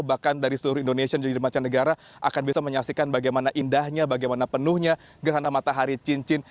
bahkan dari seluruh indonesia dan juga macam negara akan bisa menyaksikan bagaimana indahnya bagaimana penuhnya gerhana matahari cincin